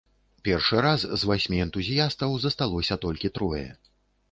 Першы раз з васьмі энтузіястаў засталося толькі трое.